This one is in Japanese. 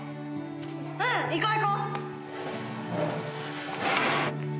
うん行こう行こう。